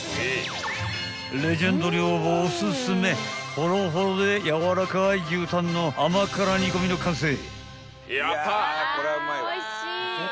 ［レジェンド寮母おすすめホロホロで柔らかい牛タンの甘辛煮込みの完成］